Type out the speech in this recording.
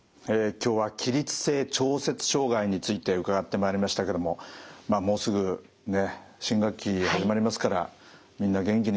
今日は起立性調節障害について伺ってまいりましたけどももうすぐね新学期始まりますからみんな元気に学校通ってほしいですね。